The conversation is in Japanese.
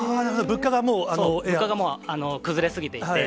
物価が崩れ過ぎていて。